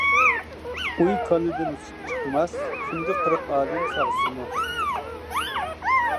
ئۇي كالىدىن سۈت چىقماس، كۈندە قىرىق ئادەم ساغسىمۇ.